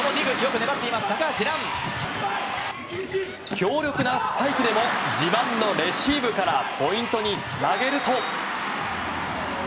強力なスパイクでも自慢のレシーブからポイントに繋げると。